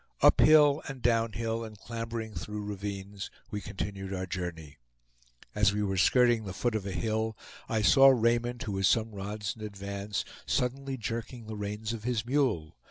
Up hill and down hill, and clambering through ravines, we continued our journey. As we were skirting the foot of a hill I saw Raymond, who was some rods in advance, suddenly jerking the reins of his mule.